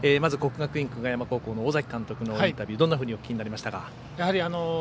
まず国学院久我山高校の尾崎監督のインタビューどんなふうにお聞きになりましたか？